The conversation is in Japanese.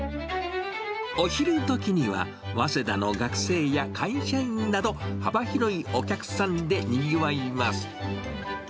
お昼どきには、早稲田の学生や会社員など、幅広いお客さんでにぎわいます。